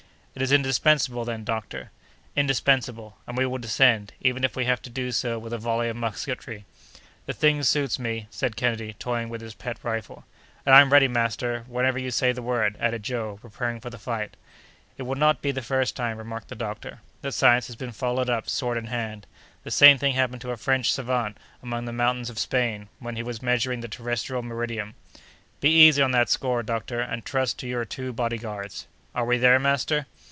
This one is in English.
"It is indispensable, then, doctor?" "Indispensable; and we will descend, even if we have to do so with a volley of musketry." "The thing suits me," said Kennedy, toying with his pet rifle. "And I'm ready, master, whenever you say the word!" added Joe, preparing for the fight. "It would not be the first time," remarked the doctor, "that science has been followed up, sword in hand. The same thing happened to a French savant among the mountains of Spain, when he was measuring the terrestrial meridian." "Be easy on that score, doctor, and trust to your two body guards." "Are we there, master?"